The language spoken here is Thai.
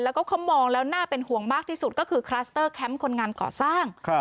แล้วก็เขามองแล้วน่าเป็นห่วงมากที่สุดก็คือคลัสเตอร์แคมป์คนงานก่อสร้าง